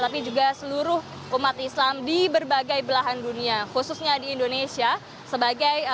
tapi juga seluruh umat islam di berbagai belahan dunia khususnya di indonesia sebagai